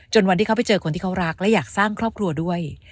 วันที่เขาไปเจอคนที่เขารักและอยากสร้างครอบครัวด้วย